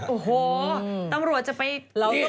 โอ้โฮตำรวจจะไป